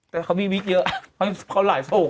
แต่เขามีวิทย์เยอะ